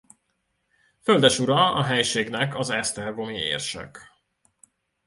Földesura a helységnek az esztergomi érsek.